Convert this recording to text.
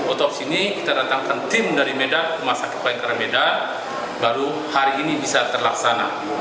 otopsi ini kita datangkan tim dari medan rumah sakit payangkara medan baru hari ini bisa terlaksana